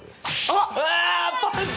あっ！